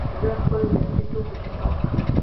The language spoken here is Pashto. زه خپلو درسي توکو ته پام کوم.